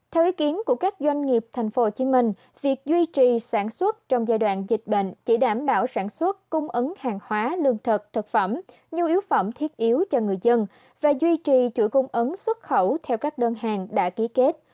theo ý kiến của các doanh nghiệp tp hcm việc duy trì sản xuất trong giai đoạn dịch bệnh chỉ đảm bảo sản xuất cung ứng hàng hóa lương thực thực phẩm nhu yếu phẩm thiết yếu cho người dân và duy trì chuỗi cung ứng xuất khẩu theo các đơn hàng đã ký kết